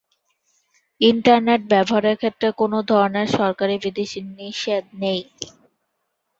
Internet ব্যবহারের ক্ষেত্রে কোন ধরনের সরকারী বিধিনিষেধ নেই।